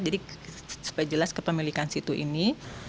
jadi supaya jelas kepemilikan situ ini